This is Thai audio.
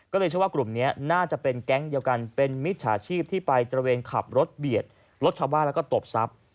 ก็เลยเชื่อว่ากลุ่มนี้น่าจะเป็นแก๊งเดียวกันเป็นมิจฉาชีพที่ไปตระเวนขับรถเบียดรถชาวบ้านแล้วก็ตบทรัพย์